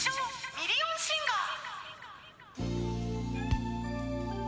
ミリオンシンガー・